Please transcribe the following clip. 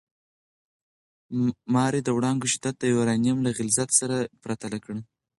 ماري د وړانګو شدت د یورانیم له غلظت سره پرتله کړ.